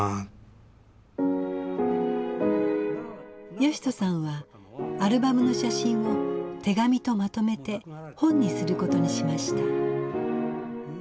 義人さんはアルバムの写真を手紙とまとめて本にすることにしました。